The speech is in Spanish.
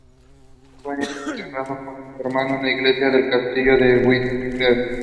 Fue enterrado junto a su hermano en la Iglesia del Castillo de Wittenberg.